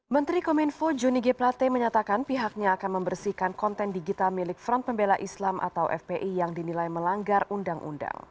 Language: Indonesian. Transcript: menteri kominfo juni g plate menyatakan pihaknya akan membersihkan konten digital milik front pembela islam atau fpi yang dinilai melanggar undang undang